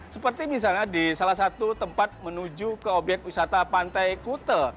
seperti misalnya di salah satu tempat menuju ke obyek wisata pantai kute